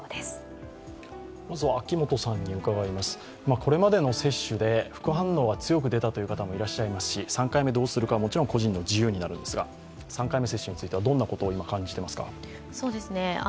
これまでの接種で副反応が強く出たという方もいらっしゃいますし３回目どうするか、もちろん個人の自由になるんですが３回目接種についてはどんなことを今、感じていますか？